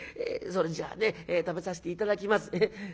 「それじゃあね食べさして頂きます。